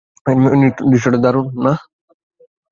দৃশ্যটা দারুণ, না?